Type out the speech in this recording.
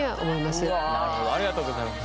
なるほどありがとうございます。